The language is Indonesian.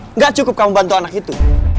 enggak cukup kamu bantu anak itu